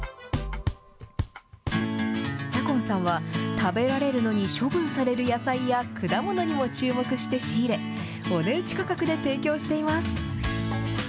左今さんは、食べられるのに処分される野菜や果物にも注目して仕入れ、お値打ち価格で提供しています。